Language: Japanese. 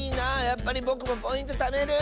やっぱりぼくもポイントためる！